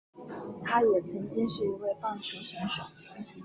他也曾经是一位棒球选手。